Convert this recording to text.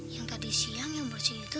yang tadi siang yang bersih itu